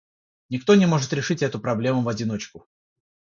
Никто не может решить эту проблему в одиночку.